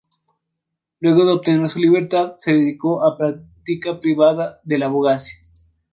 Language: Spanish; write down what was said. Luego de obtener su libertad se dedicó a la práctica privada de la abogacía.